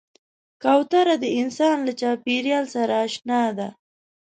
کوتره د انسان له چاپېریال سره اشنا ده.